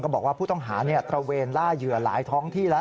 บอกว่าผู้ต้องหาตระเวนล่าเหยื่อหลายท้องที่แล้ว